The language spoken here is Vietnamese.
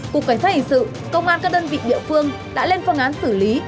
cục cảnh sát hệ sự công an các đơn vị địa phương đã lên phong án xử lý